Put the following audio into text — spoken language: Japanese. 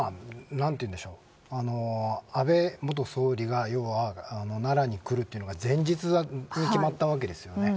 安倍元総理が要は、奈良に来るのが前日決まったわけですよね。